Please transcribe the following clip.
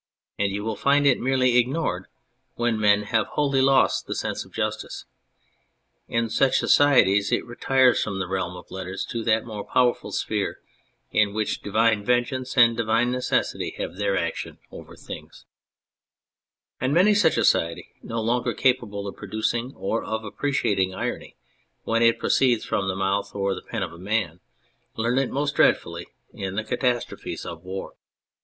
And you will find it merely ignored when men have wholly lost the sense of justice. In such societies it retires from the realm of letters to that more powerful sphere in which divine vengeance and divine necessity have their action over things ; and many such a society no longer capable of producing or of appreciating irony when it pi'oceeds from the mouth or the pen of a man, learn it most dreadfully in the catastrophes of war.